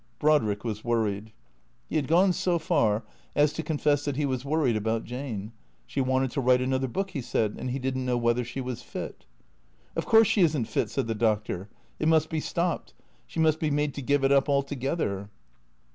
Brodrick was worried. He had gone so far as to confess that he was worried about Jane. She wanted to write another book, he said, and he did n't know whether she was fit. " Of course she is n't fit," said the Doctor. " It must be stopped. She must be made to give it up — altogether."